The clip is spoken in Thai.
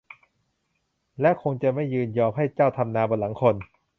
และคงจะไม่ยอมให้เจ้าทำนาบนหลังคน